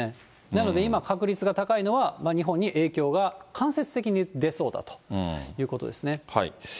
なので今、確率が高いのは、日本に影響が、間接的に出そうだということですね。